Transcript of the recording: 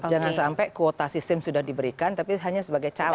jangan sampai kuota sistem sudah diberikan tapi hanya sebagai calon